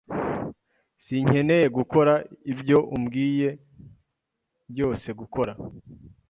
Sinkeneye gukora ibyo umbwiye byose gukora.